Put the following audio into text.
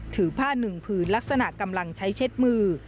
ถือผ้าหนึ่งผืนลักษณะกำลังใช้เช็ดมือ